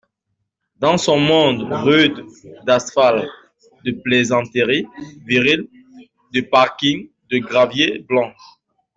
Dans son monde rude d’asphalte, de plaisanteries viriles, de parkings de graviers blancs.